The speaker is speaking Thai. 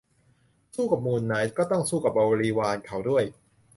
- สู้กับมูลนาย ก็ต้องสู้กับบริวารเขาด้วย